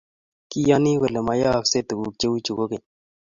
Kiyaani kole mayoyosgei tuguk cheichu kogeny